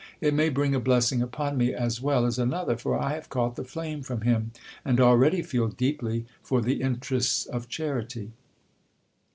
It may bring a blessing upon me as well as another ; for I have caught the flame from him, and already feel deeply for the interests of charity.